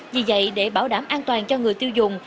vì vậy để bảo đảm an toàn cho người tiêu dùng